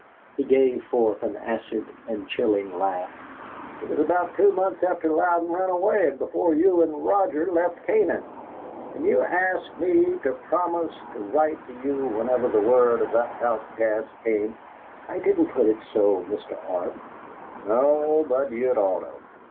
He gave forth an acid and chilling laugh. "It was about two months after Louden ran away, and before you and Roger left Canaan, and you asked me to promise to write to you whenever word of that outcast came " "I didn't put it so, Mr. Arp." "No, but you'd ought of!